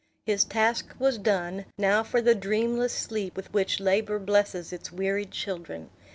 His task was done; now for the dreamless sleep with which labor blesses its wearied children!